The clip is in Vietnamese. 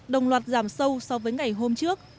đồng loạt giảm sâu so với ngày hôm trước